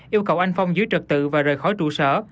yêu cầu anh phong giữ trật tự và rời khỏi trụ sở